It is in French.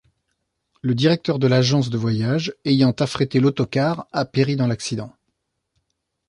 Le directeur de l'agence de voyage ayant affrété l'autocar a péri dans l'accident.